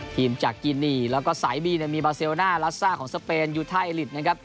ทีมจากกินีแล้วก็สายบีเนี่ยมีของสเปนนะครับ